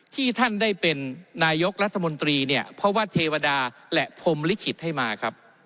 ที่ท่านได้เป็นนายกรัฐมนตรีเนี่ยเพราะว่าเทวดาและพรมลิขิตให้มาครับ